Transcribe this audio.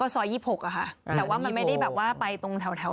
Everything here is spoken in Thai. แต่ว่ามันไม่ได้ไปตรงแถว